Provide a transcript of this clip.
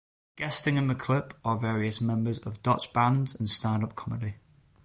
Guesting in the clip are various members of Dutch bands and standup comedy.